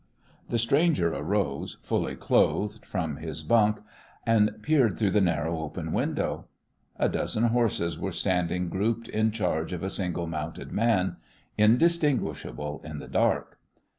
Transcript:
The stranger arose, fully clothed, from his bunk, and peered through the narrow open window. A dozen horses were standing grouped in charge of a single mounted man, indistinguishable in the dark.